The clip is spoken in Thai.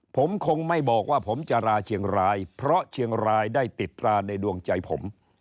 ผมคงไม่บอกว่าผมจะลาเชียงรายเพราะเชียงรายได้ติดตราในดวงใจผม